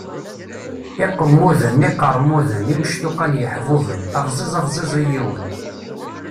Iqemmuden, iqeṛmuden, imectuqa n yiḥbuben, abziz, abziz i yiwen.